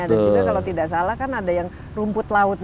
ada juga kalau tidak salah kan ada yang rumput laut